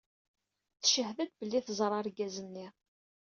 Teched-d belli teẓra argaz-nni.